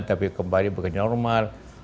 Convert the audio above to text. tapi kembali bekerja normal